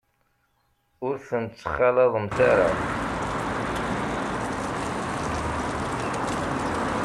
Ur ten-ttxalaḍemt ara.